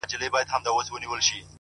راهب په کليسا کي مردار ښه دی’ مندر نسته